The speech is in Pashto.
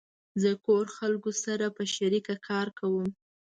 زه کور خلقو سره په شریکه کار کوم